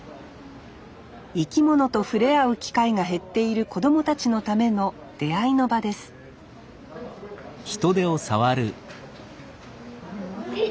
生き物と触れ合う機会が減っている子どもたちのための出会いの場ですヒトデ！